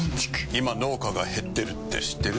今農家が減ってるって知ってる？